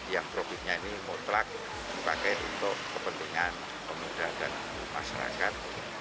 yang profitnya ini mutlak dipakai untuk kepentingan pemuda dan masyarakat